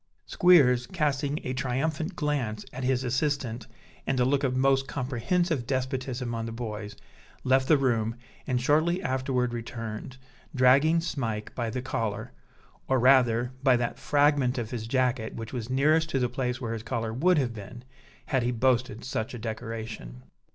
Squeers, casting a triumphant glance at his assistant and a look of most comprehensive despotism on the boys, left the room, and shortly afterward returned, dragging Smike by the collar or rather by that fragment of his jacket which was nearest to the place where his collar would have been, had he boasted such a decoration.